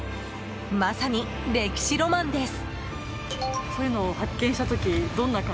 まさに歴史ロマンです。